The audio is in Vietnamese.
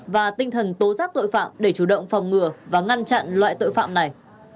và tinh thần tố giác tội phạm để chủ động phòng ngừa và ngăn chặn loại tội phạm này